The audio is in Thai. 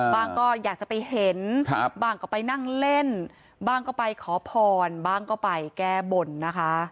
ก็อยากจะไปเห็นบ้างก็ไปนั่งเล่นบ้างก็ไปขอพรบ้างก็ไปแก้บนนะคะ